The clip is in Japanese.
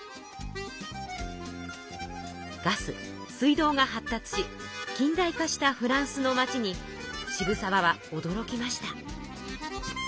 ガス水道が発達し近代化したフランスの街に渋沢はおどろきました。